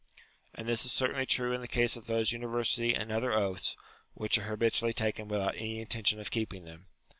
And this is certainly true in the case of those university and other oaths, which are habitually taken without any intention of keeping them.